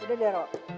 udah deh rop